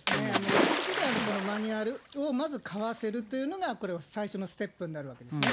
基本的にはこのマニュアルをまず買わせるというのが、これは最初のステップになるわけですね。